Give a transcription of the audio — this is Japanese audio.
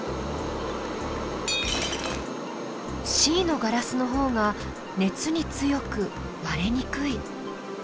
Ｃのガラスのほうが熱に強く割れにくい。